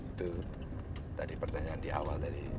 itu tadi pertanyaan di awal tadi